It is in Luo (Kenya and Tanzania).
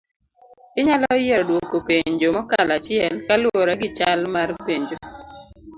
Inyalo yiero duoko penjo mokalo achiel kaluore gichal mar penjo